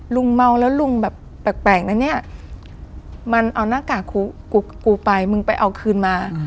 เมาแล้วลุงแบบแปลกนะเนี่ยมันเอาหน้ากากกูไปมึงไปเอาคืนมา